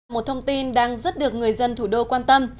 một thông tin đang rất được người dân thủ đô quan tâm